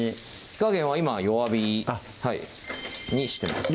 火加減は今弱火にしてます